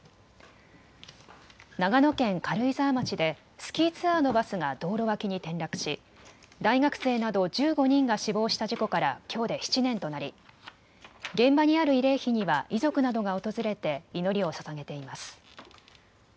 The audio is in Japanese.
長野県軽井沢町でスキーツアーのバスが道路脇に転落し大学生など１５人が死亡した事故からきょうで７年となり現場にある慰霊碑には遺族などが訪れて祈りをささげています。